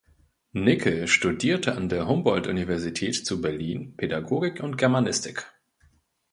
Nickel studierte an der Humboldt-Universität zu Berlin Pädagogik und Germanistik.